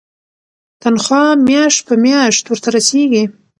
تنخوا میاشت په میاشت ورته رسیږي.